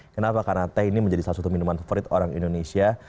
kenapa karena teh ini menjadi salah satu minuman favorit orang indonesia